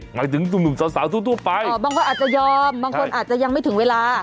หมายถึงหนุ่มสาวสาวทั่วไปอ๋อบางคนอาจจะยอมบางคนอาจจะยังไม่ถึงเวลา